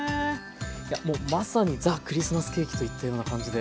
もうまさにザ・クリスマスケーキといったような感じで。